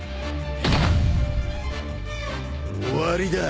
終わりだ。